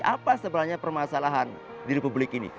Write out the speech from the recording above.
apa sebenarnya permasalahan di republik ini